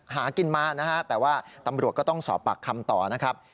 หากินมานะฮะแต่ว่าตำรวจก็ต้องสอบปากคำต่อนะครับ